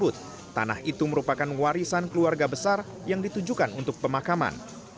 tanah itu merupakan warisan keluarga besar yang ditujukan untuk pemakaman